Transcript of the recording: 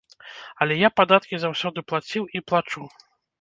Але я падаткі заўсёды плаціў і плачу.